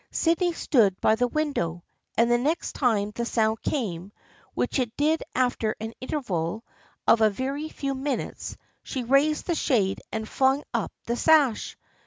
Sydney stood by the window, and the next time the sound came, which it did after an interval of a very few minutes, she raised the shade and flung up the sash.